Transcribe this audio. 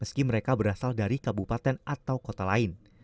meski mereka berasal dari kabupaten atau kota lain